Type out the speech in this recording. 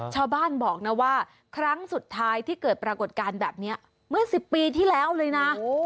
ชาวบ้านบอกนะว่าครั้งสุดท้ายที่เกิดปรากฏการณ์แบบนี้เมื่อ๑๐ปีที่แล้วเลยนะ